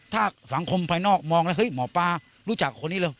ถ้าสังคมภายนอกมองแล้วเฮ้ยหมอปลารู้จักคนนี้เหรอ